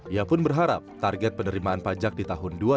ia pun berharap target penerimaan pajak di tahun dua ribu dua puluh